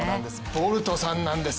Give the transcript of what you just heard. ボルトさんなんです。